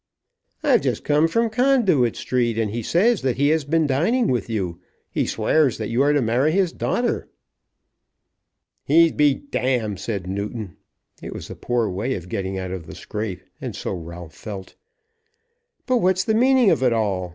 "I've just come from Conduit Street, and he says that he has been dining with you. He swears that you are to marry his daughter." "He be d !" said Newton. It was a poor way of getting out of the scrape, and so Ralph felt. "But what's the meaning of it all?